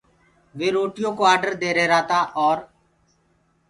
وي روٽيو ڪو آڊر دي ريهرآ تآ اور